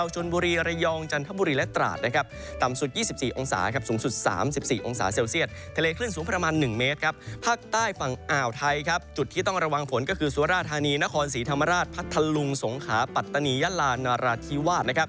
จุดที่ต้องระวังฝนก็คือสวรรถฮานีนครศรีธรรมราชพัทธลุงสงขาปัตตนียาลานราธิวาส